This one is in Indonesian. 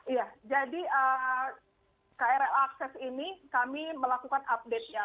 iya jadi krl akses ini kami melakukan update nya